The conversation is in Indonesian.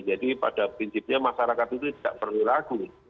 jadi pada prinsipnya masyarakat itu tidak perlu ragu